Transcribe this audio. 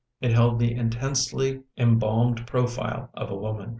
It held the tensely em bahned profile of a woman.